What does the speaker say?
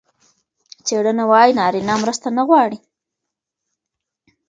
څېړنه وايي نارینه مرسته نه غواړي.